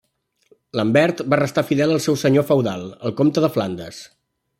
Lambert va restar fidel al seu senyor feudal, el comte de Flandes.